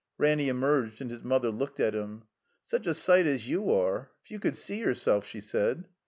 Ranny emerged, and his mother looked at him. "Such a sight as you are. If you could see your self," she said.